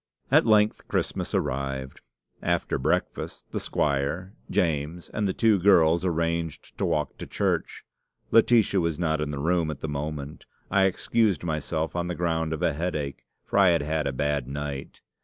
"At length Christmas Day arrived. After breakfast, the squire, James, and the two girls arranged to walk to church. Laetitia was not in the room at the moment. I excused myself on the ground of a headache, for I had had a bad night.